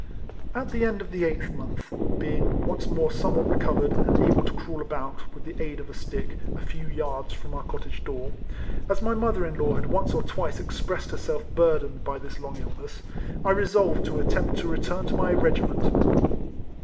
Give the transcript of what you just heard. At the end of the eighth month (being once more somewhat recovered, and able to crawl about, with the aid of a stick, a few yards from our cottage door), as my mother in law had once or twice expressed herself burthened by this long illness, I resolved to 272 RECOLLECTIONS OF attempt to return to my regiment.